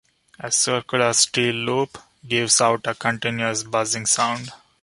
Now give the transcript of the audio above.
A circular steel loop gives out a continuous buzzing sound.